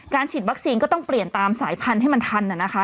ฉีดวัคซีนก็ต้องเปลี่ยนตามสายพันธุ์ให้มันทันนะคะ